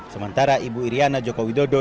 sementara ibu iryana joko widodo